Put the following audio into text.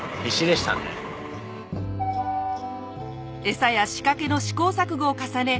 エサや仕掛けの試行錯誤を重ね